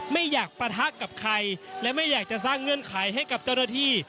ไม่อยากปะทะกับใครและไม่อยากจะสร้างเงื่อนไขให้กับเจ้าหน้าที่